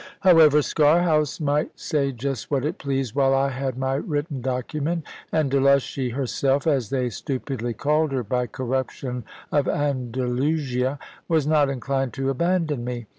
However, Sker house might say just what it pleased, while I had my written document, and "Delushy" herself (as they stupidly called her by corruption of Andalusia) was not inclined to abandon me.